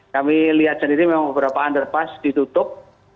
kami lihat sendiri memang beberapa underpass ditutup